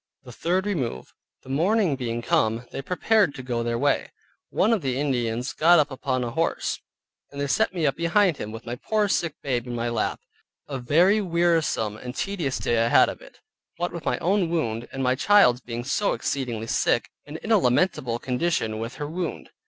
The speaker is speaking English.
THE THIRD REMOVE The morning being come, they prepared to go on their way. One of the Indians got up upon a horse, and they set me up behind him, with my poor sick babe in my lap. A very wearisome and tedious day I had of it; what with my own wound, and my child's being so exceeding sick, and in a lamentable condition with her wound.